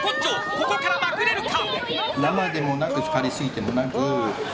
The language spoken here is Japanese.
ここからまくれるか？